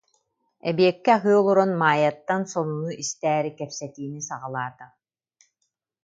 Эбиэккэ аһыы олорон Маайаттан сонуну истээри кэпсэтиини саҕалаата: